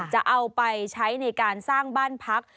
จะเอาไปใช้ในการสร้างบ้านพัก